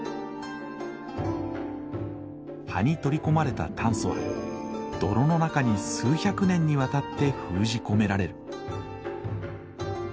葉に取り込まれた炭素は泥の中に数百年にわたって封じ込められる。